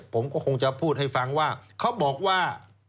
ผมก็คงจะพูดให้ฟังว่าเขาบอกว่า